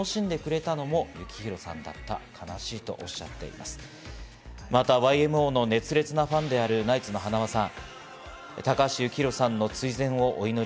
またＹＭＯの熱烈なファンであるナイツの塙さん。